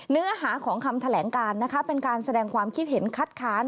เนื้อหาของคำแถลงการนะคะเป็นการแสดงความคิดเห็นคัดค้าน